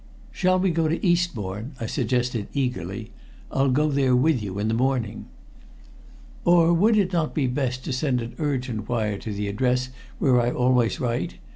"Shall we go to Eastbourne?" I suggested eagerly. "I'll go there with you in the morning." "Or would it not be best to send an urgent wire to the address where I always write?